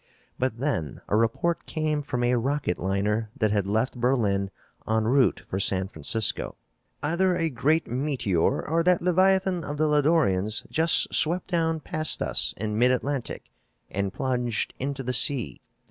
But then a report came from a rocket liner that had left Berlin en route for San Francisco. "Either a great meteor or that leviathan of the Lodorians just swept down past us in mid Atlantic and plunged into the sea.